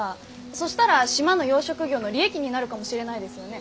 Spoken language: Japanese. そしたら島の養殖業の利益になるかもしれないですよね。